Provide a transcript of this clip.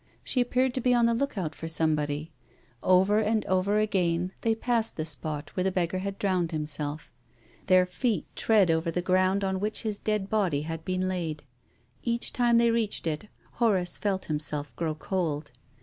She appeared to be on the look out for somebody. Over and over again they passed the spot where the beggar had drowned 362 TONGUES OF CONSCIENCE. himself. Their feet trod over the ground on which his dead body had been laid. Each time they reached it Horace felt himself grow cold.